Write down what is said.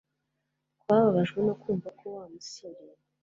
Twababajwe no kumva ko Wa musore